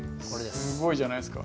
すごいじゃないですか。